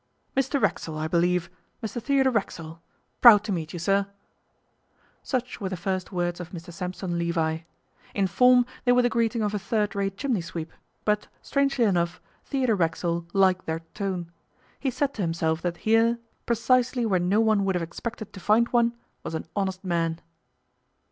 'Mr Racksole, I believe Mr Theodore Racksole. Proud to meet you, sir.' Such were the first words of Mr Sampson Levi. In form they were the greeting of a third rate chimney sweep, but, strangely enough, Theodore Racksole liked their tone. He said to himself that here, precisely where no one would have expected to find one, was an honest man.